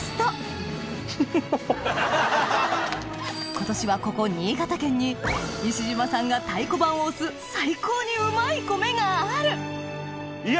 今年はここ新潟県に西島さんが太鼓判を押す最高にうまい米があるいや